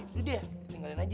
udah deh tinggalin aja